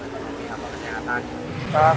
kemampuan atau kesehatan